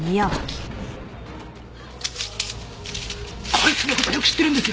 こいつの事よく知ってるんです！